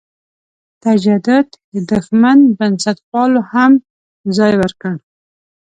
تجدد دښمنو بنسټپالو هم ځای ورکړ.